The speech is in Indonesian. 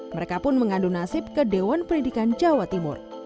mereka pun mengandung nasib ke dewan pendidikan jawa timur